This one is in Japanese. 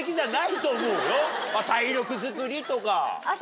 体力づくりとか。